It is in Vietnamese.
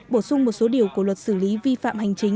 bổ sung một số điều của luật xử lý vi phạm hành chính